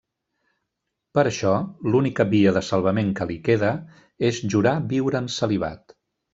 Per això, l'única via de salvament que li queda és jurar viure en celibat.